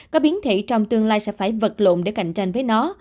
các biến thể trong tương lai sẽ phải vật lộn để cạnh tranh với nó